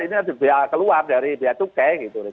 ini ada biaya keluar dari biaya tukeng gitu